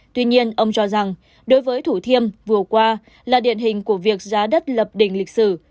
tuy nhiên ông cho rằng đối với thủ thiêm vừa qua là điện hình của việc giá đất lập đỉnh lịch sử